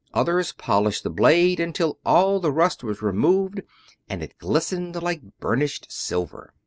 Others polished the blade until all the rust was removed and it glistened like burnished silver.